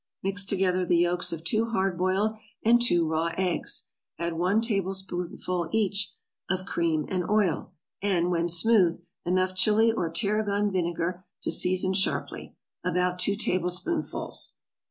= Mix together the yolks of two hard boiled and two raw eggs; add one tablespoonful each of cream and oil; and, when smooth, enough Chili or tarragon vinegar to season sharply, about two tablespoonfuls.